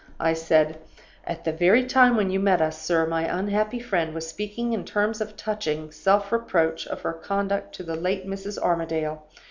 I said, 'At the very time when you met us, sir, my unhappy friend was speaking in terms of touching, self reproach of her conduct to the late Mrs. Armadale.